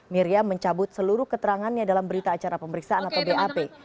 miriam mencabut seluruh keterangannya dalam berita acara pemeriksaan atau bap